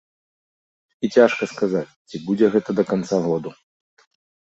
І цяжка сказаць, ці будзе гэта да канца году.